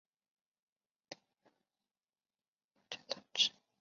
四名小孩必须得协助推翻他邪恶叔叔米拉兹的暴政统治。